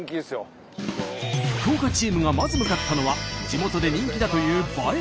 福岡チームがまず向かったのは地元で人気だという映え